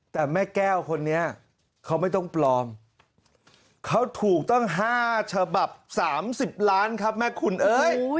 แต่แม่แก้วคนนี้เขาไม่ต้องปลอมเขาถูกตั้ง๕ฉบับ๓๐ล้านครับแม่คุณเอ้ย